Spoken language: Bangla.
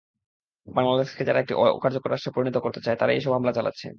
বাংলাদেশকে যারা একটি অকার্যকর রাষ্ট্রে পরিণত করতে চায়, তারাই এসব হামলা চালাচ্ছে।